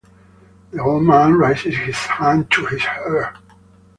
The old man raises his hand to his ear.